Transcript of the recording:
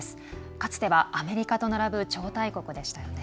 かつてはアメリカと並ぶ超大国でしたよね。